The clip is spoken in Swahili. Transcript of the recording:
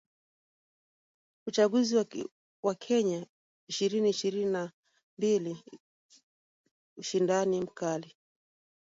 Uchaguzi wa Kenya ishirini ishirini na mbili ushindani mkali